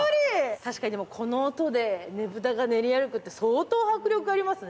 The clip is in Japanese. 確かにでもこの音でねぷたが練り歩くって相当迫力ありますね。